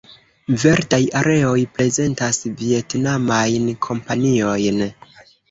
Verdaj areoj prezentas vjetnamajn kompaniojn.